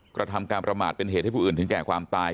กระทำการประมาทเป็นเหตุให้ผู้อื่นถึงแก่ความตาย